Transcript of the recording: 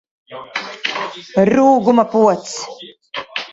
Rūguma pods!